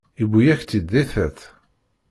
Yewwi-yak-tt-id di tiṭ.